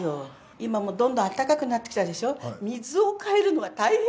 今、もうどんどんあったかくなってきたでしょ。